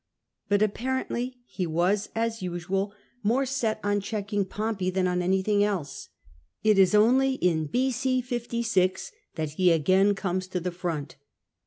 But apparently he was, as usual, N 194 CRASSUS more set on checking Pompey than on anything else. It is only in B.o. 56 that he again comes to the front.